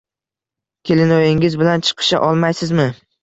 Kelinoyingiz bilan chiqisha olmaysizmi